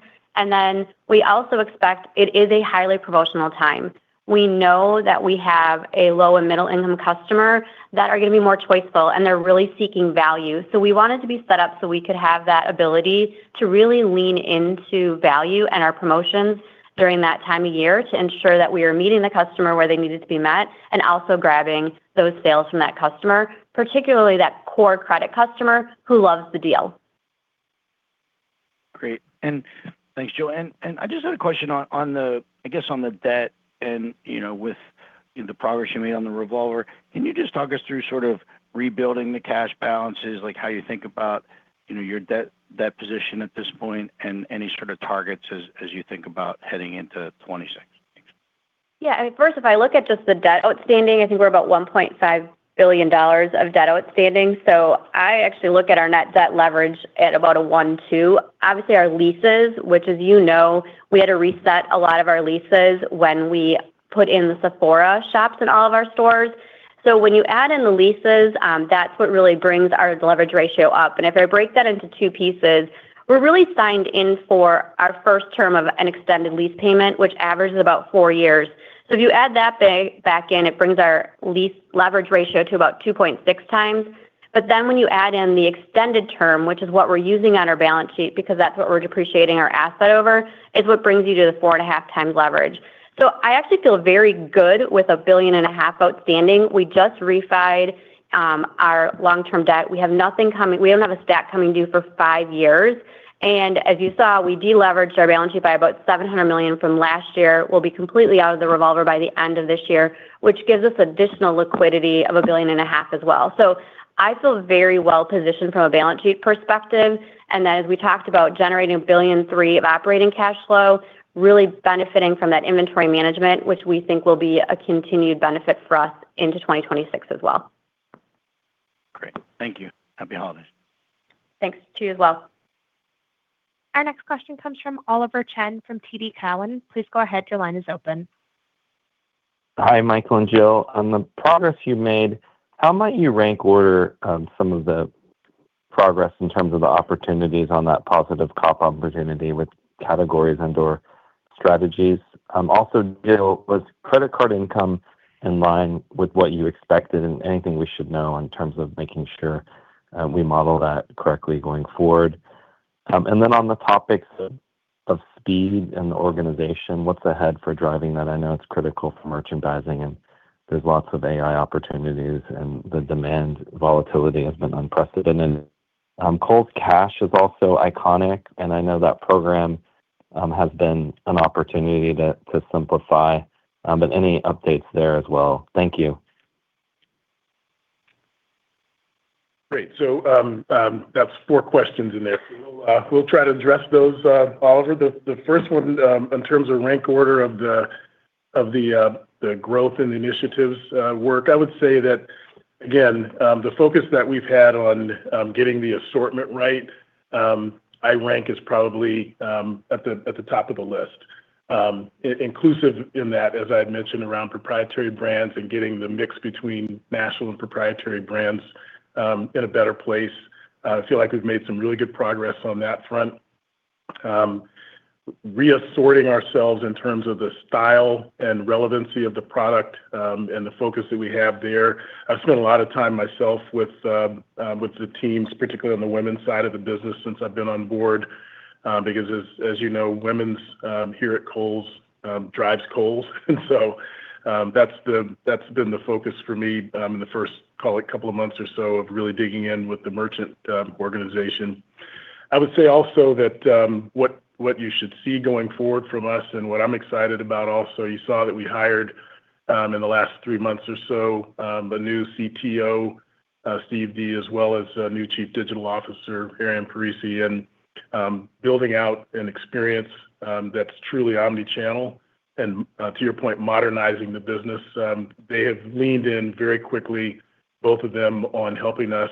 We also expect it is a highly promotional time. We know that we have a low and middle-income customer that are going to be more choiceful, and they're really seeking value. We wanted to be set up so we could have that ability to really lean into value and our promotions during that time of year to ensure that we are meeting the customer where they needed to be met and also grabbing those sales from that customer, particularly that core credit customer who loves the deal. Great. Thanks, Jill. I just had a question on the, I guess, on the debt and with the progress you made on the revolver. Can you just talk us through sort of rebuilding the cash balances, like how you think about your debt position at this point and any sort of targets as you think about heading into 2026? Yeah. I mean, first, if I look at just the debt outstanding, I think we're about $1.5 billion of debt outstanding. So I actually look at our net debt leverage at about a 1%, 2%. Obviously, our leases, which, as you know, we had to reset a lot of our leases when we put in the Sephora shops in all of our stores. When you add in the leases, that's what really brings our leverage ratio up. If I break that into two pieces, we're really signed in for our first term of an extended lease payment, which averages about four years. If you add that back in, it brings our lease leverage ratio to about 2.6x. When you add in the extended term, which is what we're using on our balance sheet because that's what we're depreciating our asset over, it brings you to the four and a half times leverage. I actually feel very good with $1.5 billion outstanding. We just refied our long-term debt. We have nothing coming. We don't have a stack coming due for five years. As you saw, we deleveraged our balance sheet by about $700 million from last year. We'll be completely out of the revolver by the end of this year, which gives us additional liquidity of $1.5 billion as well. I feel very well positioned from a balance sheet perspective. Then as we talked about generating $1.3 billion of operating cash flow, really benefiting from that inventory management, which we think will be a continued benefit for us into 2026 as well. Great. Thank you. Happy holidays. Thanks. To you as well. Our next question comes from Oliver Chen from TD Cowen. Please go ahead. Your line is open. Hi, Michael and Jill. On the progress you made, how might you rank order some of the progress in terms of the opportunities on that positive comp opportunity with categories and/or strategies? Also, Jill, was credit card income in line with what you expected and anything we should know in terms of making sure we model that correctly going forward? On the topics of speed and the organization, what's ahead for driving that? I know it's critical for merchandising, and there's lots of AI opportunities, and the demand volatility has been unprecedented. Kohl's Cash is also iconic, and I know that program has been an opportunity to simplify. Any updates there as well? Thank you. Great. That's four questions in there. We'll try to address those. Oliver, the first one in terms of rank order of the growth and initiatives work, I would say that, again, the focus that we've had on getting the assortment right, I rank is probably at the top of the list. Inclusive in that, as I had mentioned around proprietary brands and getting the mix between national and proprietary brands in a better place. I feel like we've made some really good progress on that front. Reassorting ourselves in terms of the style and relevancy of the product and the focus that we have there. I've spent a lot of time myself with the teams, particularly on the women's side of the business since I've been on board because, as you know, women's here at Kohl's drives Kohl's. That has been the focus for me in the first, call it, couple of months or so of really digging in with the merchant organization. I would say also that what you should see going forward from us and what I'm excited about also, you saw that we hired in the last three months or so a new CTO, Steve Dee, as well as a new Chief Digital Officer, Arianne Parisi, and building out an experience that's truly omnichannel. To your point, modernizing the business, they have leaned in very quickly, both of them, on helping us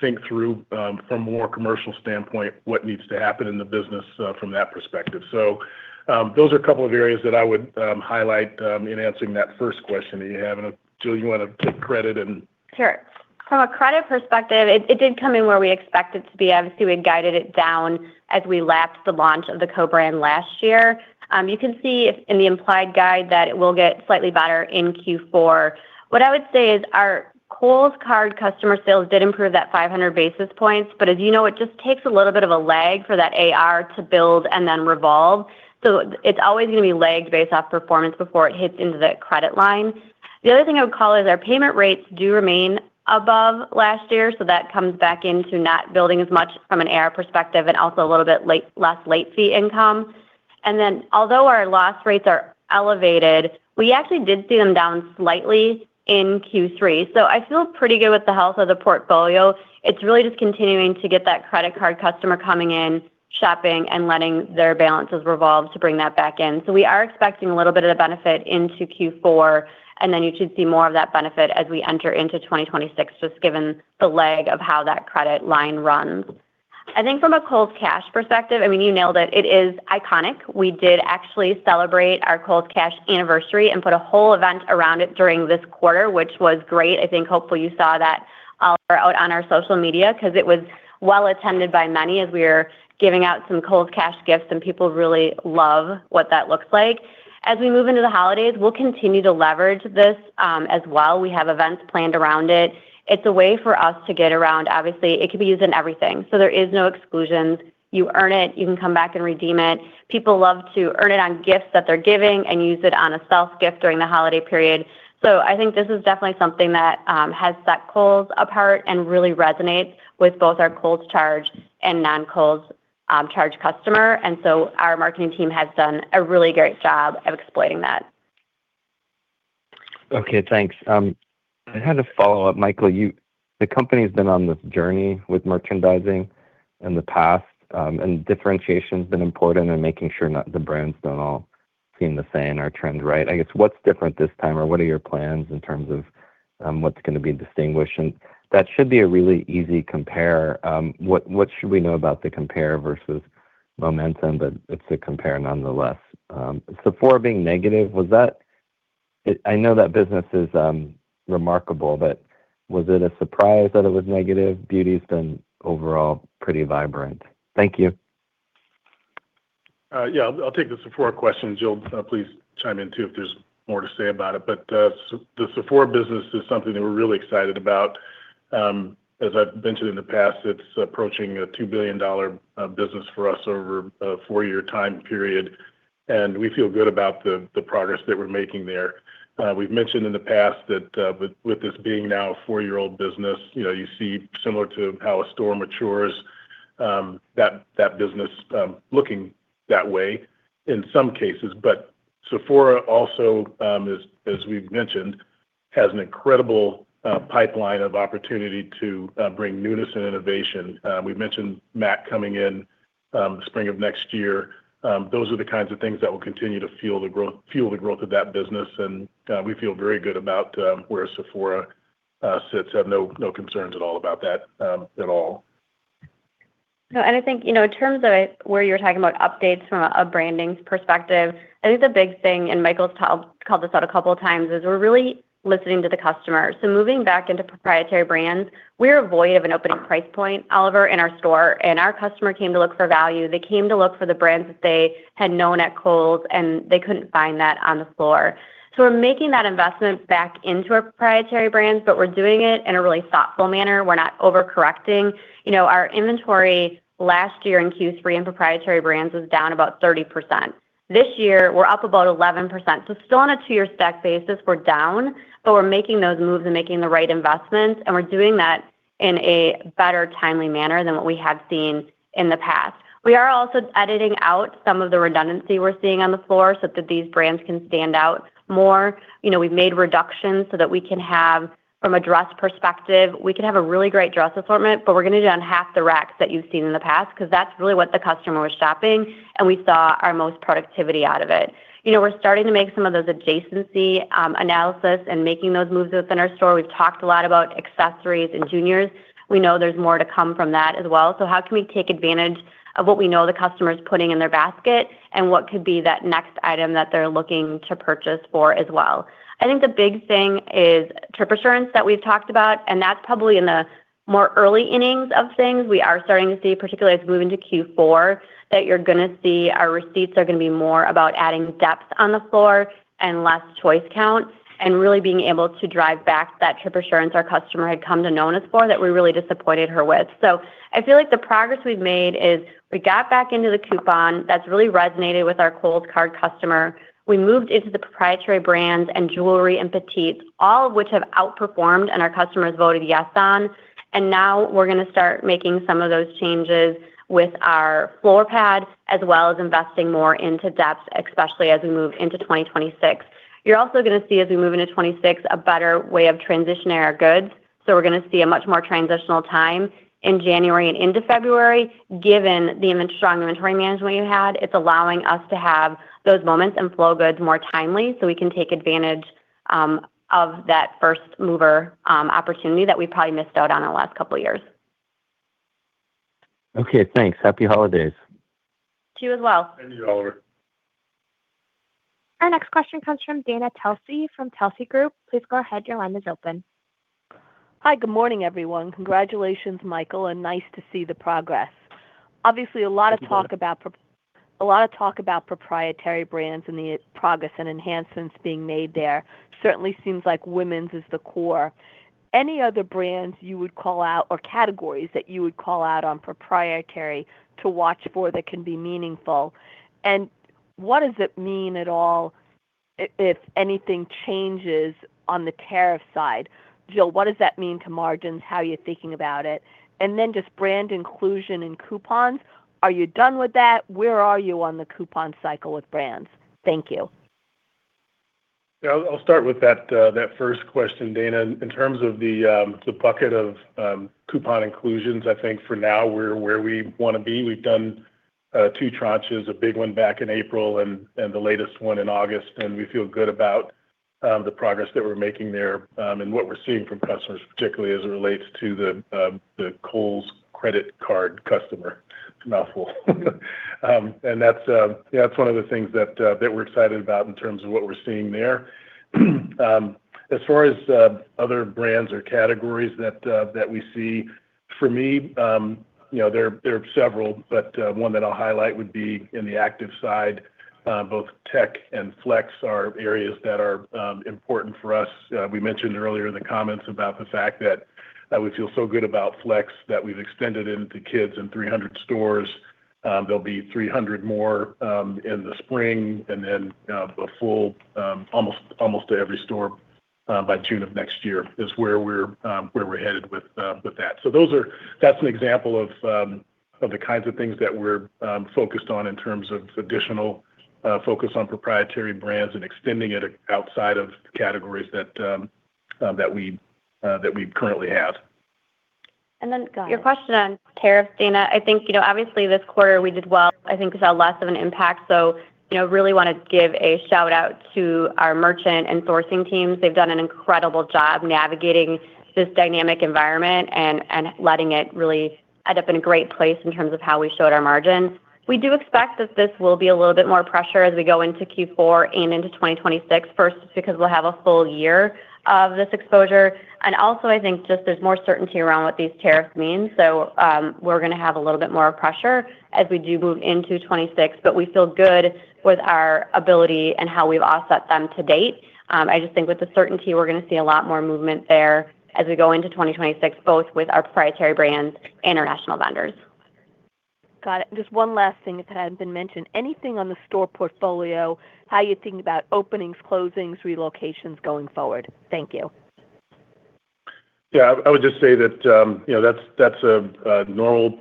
think through from a more commercial standpoint what needs to happen in the business from that perspective. Those are a couple of areas that I would highlight in answering that first question. Do you have a—Jill, you want to take credit and. Sure. From a credit perspective, it did come in where we expected it to be. Obviously, we had guided it down as we lapped the launch of the co-brand last year. You can see in the implied guide that it will get slightly better in Q4. What I would say is our Kohl's Card customer sales did improve that 500 basis points. As you know, it just takes a little bit of a leg for that AR to build and then revolve. It is always going to be legged based off performance before it hits into the credit line. The other thing I would call is our payment rates do remain above last year. That comes back into not building as much from an AR perspective and also a little bit less late fee income. Although our loss rates are elevated, we actually did see them down slightly in Q3. I feel pretty good with the health of the portfolio. It is really just continuing to get that credit card customer coming in, shopping, and letting their balances revolve to bring that back in. We are expecting a little bit of benefit into Q4. You should see more of that benefit as we enter into 2026, just given the leg of how that credit line runs. I think from a Kohl's Cash perspective, I mean, you nailed it. It is iconic. We did actually celebrate our Kohl's Cash Anniversary and put a whole event around it during this quarter, which was great. I think hopefully you saw that all throughout on our social media because it was well attended by many as we were giving out some Kohl's Cash gifts, and people really love what that looks like. As we move into the holidays, we'll continue to leverage this as well. We have events planned around it. It's a way for us to get around. Obviously, it could be used in everything. There is no exclusions. You earn it. You can come back and redeem it. People love to earn it on gifts that they're giving and use it on a self-gift during the holiday period. I think this is definitely something that has set Kohl's apart and really resonates with both our Kohl's charge and non-Kohl's charge customer. Our marketing team has done a really great job of exploiting that. Okay. Thanks. I had a follow-up. Michael, the company has been on this journey with merchandising in the past, and differentiation has been important in making sure that the brands do not all seem the same or trend right. I guess what is different this time, or what are your plans in terms of what is going to be distinguished? That should be a really easy compare. What should we know about the compare versus momentum? It is a compare nonetheless. Sephora being negative, was that—I know that business is remarkable, but was it a surprise that it was negative? Beauty has been overall pretty vibrant. Thank you. Yeah. I will take the Sephora question. Jill, please chime in too if there is more to say about it. The Sephora business is something that we are really excited about. As I have mentioned in the past, it is approaching a $2 billion business for us over a four-year time period. We feel good about the progress that we're making there. We've mentioned in the past that with this being now a four-year-old business, you see similar to how a store matures, that business looking that way in some cases. Sephora also, as we've mentioned, has an incredible pipeline of opportunity to bring newness and innovation. We've mentioned MAC coming in the spring of next year. Those are the kinds of things that will continue to fuel the growth of that business. We feel very good about where Sephora sits. I have no concerns at all about that at a ll. I think in terms of where you're talking about updates from a branding perspective, I think the big thing, and Michael's called this out a couple of times, is we're really listening to the customer. Moving back into proprietary brands, we're void of an opening price point, Oliver, in our store. Our customer came to look for value. They came to look for the brands that they had known at Kohl's, and they couldn't find that on the floor. We're making that investment back into our proprietary brands, but we're doing it in a really thoughtful manner. We're not overcorrecting. Our inventory last year in Q3 in proprietary brands was down about 30%. This year, we're up about 11%. Still on a two-year stack basis, we're down, but we're making those moves and making the right investments. We're doing that in a better timely manner than what we have seen in the past. We are also editing out some of the redundancy we're seeing on the floor so that these brands can stand out more. We've made reductions so that we can have, from a dress perspective, we can have a really great dress assortment, but we're going to do it on half the racks that you've seen in the past because that's really what the customer was shopping, and we saw our most productivity out of it. We're starting to make some of those adjacency analysis and making those moves within our store. We've talked a lot about accessories and juniors. We know there's more to come from that as well. How can we take advantage of what we know the customer is putting in their basket and what could be that next item that they're looking to purchase for as well? I think the big thing is trip assurance that we've talked about. That's probably in the more early innings of things. We are starting to see, particularly as we move into Q4, that you're going to see our receipts are going to be more about adding depth on the floor and less choice count and really being able to drive back that trip assurance our customer had come to know us for that we really disappointed her with. I feel like the progress we've made is we got back into the coupon that's really resonated with our Kohl's Card customer. We moved into the proprietary brands and jewelry and petites, all of which have outperformed and our customers voted yes on. Now we're going to start making some of those changes with our floor pad as well as investing more into depth, especially as we move into 2026. You're also going to see, as we move into 2026, a better way of transitioning our goods. We're going to see a much more transitional time in January and into February. Given the strong inventory management we've had, it's allowing us to have those moments and flow goods more timely so we can take advantage of that first mover opportunity that we probably missed out on the last couple of years. Okay. Thanks. Happy holidays. To you as well. Thank you, Oliver. Our next question comes from Dana Telsey from Telsey Group. Please go ahead. Your line is open. Hi. Good morning, everyone. Congratulations, Michael, and nice to see the progress. Obviously, a lot of talk about a lot of talk about proprietary brands and the progress and enhancements being made there. Certainly seems like women's is the core. Any other brands you would call out or categories that you would call out on proprietary to watch for that can be meaningful? What does it mean at all if anything changes on the tariff side? Jill, what does that mean to margins? How are you thinking about it? And then just brand inclusion and coupons. Are you done with that? Where are you on the coupon cycle with brands? Thank you. I'll start with that first question, Dana. In terms of the bucket of coupon inclusions, I think for now we're where we want to be. We've done two tranches, a big one back in April and the latest one in August. We feel good about the progress that we're making there and what we're seeing from customers, particularly as it relates to the Kohl's credit card customer mouthful. That's one of the things that we're excited about in terms of what we're seeing there. As far as other brands or categories that we see, for me, there are several, but one that I'll highlight would be in the active side. Both Tek and FLX are areas that are important for us. We mentioned earlier in the comments about the fact that we feel so good about FLX that we've extended into kids and 300 stores. There'll be 300 more in the spring and then a full almost to every store by June of next year is where we're headed with that. That is an example of the kinds of things that we're focused on in terms of additional focus on proprietary brands and extending it outside of categories that we currently have. Your question on tariffs, Dana, I think obviously this quarter we did well. I think we saw less of an impact. I really want to give a shout-out to our merchant and sourcing teams. They've done an incredible job navigating this dynamic environment and letting it really end up in a great place in terms of how we showed our margins. We do expect that this will be a little bit more pressure as we go into Q4 and into 2026, first because we'll have a full year of this exposure. Also, I think just there's more certainty around what these tariffs mean. We're going to have a little bit more pressure as we do move into 2026, but we feel good with our ability and how we've offset them to date. I just think with the certainty, we're going to see a lot more movement there as we go into 2026, both with our proprietary brands and international vendors. Got it. Just one last thing that had not been mentioned. Anything on the store portfolio, how you are thinking about openings, closings, relocations going forward? Thank you. Yeah. I would just say that is a normal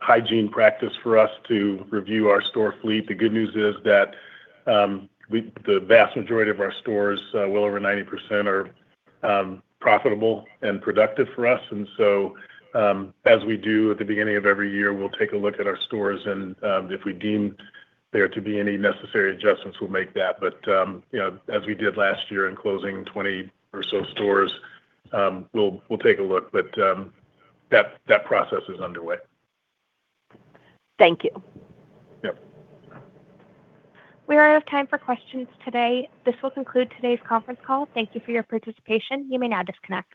hygiene practice for us to review our store fleet. The good news is that the vast majority of our stores, well over 90%, are profitable and productive for us. As we do at the beginning of every year, we will take a look at our stores. If we deem there to be any necessary adjustments, we will make that. As we did last year in closing 20 or so stores, we will take a look. That process is underway. Thank you. We are out of time for questions today. This will conclude today's conference call. Thank you for your participation. You may now disconnect.